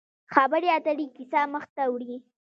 خبرې اترې کیسه مخ ته وړي.